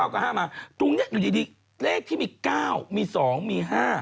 ๙กว่า๕มาตรงนี้แล้วดีเลขที่มี๙มี๒มี๕